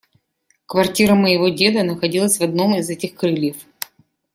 Квартира моего деда находилась в одном из этих крыльев.